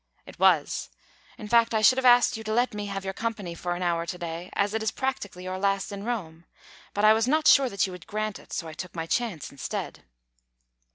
"It was, in fact I should have asked you to let me have your company for an hour to day, as it is practically your last in Rome; but I was not sure that you would grant it, so I took my chance instead."